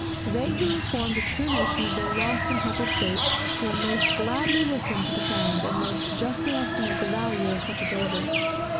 They who have formed a true notion of their lost and helpless state, will most gladly listen to the sound, and most justly estimate the value of such a deliverance.